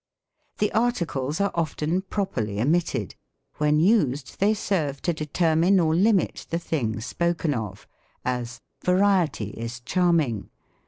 The articles are often properly omitted ; when used, they serve to determine or limit the thing spoken of: as, "Variety is charming."